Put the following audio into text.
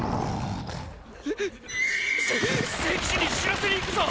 せ聖騎士に知らせに行くぞ！